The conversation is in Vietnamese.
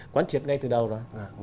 quán triệt ngay từ đầu rồi